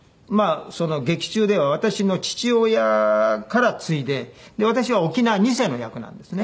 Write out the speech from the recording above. その劇中では私の父親から継いで私は沖縄二世の役なんですね。